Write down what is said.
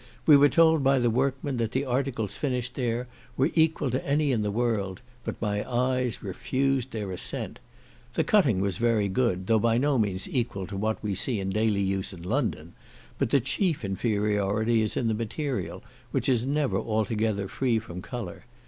We were told by the workmen that the articles finished there were equal to any in the world; but my eyes refused their assent. The cutting was very good, though by no means equal to what we see in daily use in London; but the chief inferiority is in the material, which is never altogether free from colour.